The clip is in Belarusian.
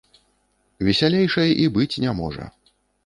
Весялейшай і быць не можа.